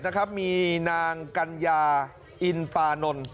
นะครับมีนางกัญญาอินปานนท์